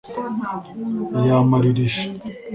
yamaririje”